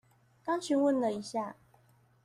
剛詢問了一下